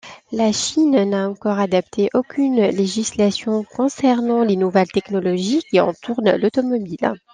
La Chine n’a encore adapté aucune législation concernant les nouvelles technologies qui entourent l'automobile.